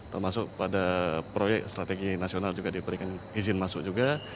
termasuk pada proyek strategi nasional juga diberikan izin masuk juga